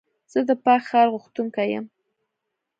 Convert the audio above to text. زه د پاک ښار غوښتونکی یم.